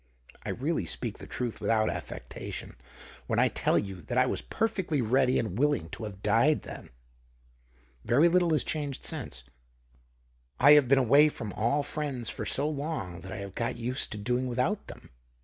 I really speak the truth without affectation, when I tell you that I was perfectly ready and willing to have died then. Very little has changed since. I have been away from all friends for so long, that I have got used to doing without them.